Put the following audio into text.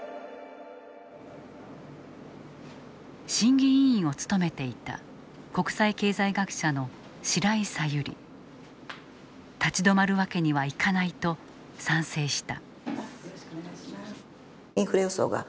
審議委員を務めていた国際経済学者の立ち止まるわけにはいかないと賛成した。